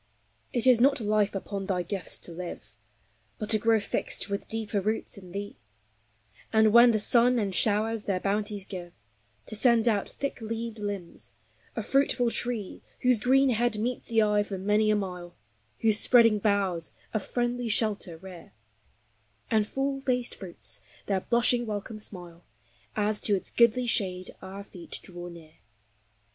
It is not life upon thy gifts to live, But to grow fixed with deeper roots in Thee; And when the sun and showers their bounties give, To send out thick leaved limbs; a fruitful tree Whose green head meets the eye for many a mile, Whose spreading boughs a friendly shelter rear, And full faced fruits their blushing welcome smile As to its goodly shade our feet draw near.